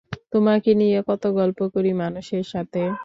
তোমাকে নিয়ে কত গল্প করি মানুষের সাথে।